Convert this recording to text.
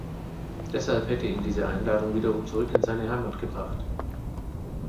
Deshalb hätte ihn diese Einladung wiederum zurück in seine Heimat gebracht.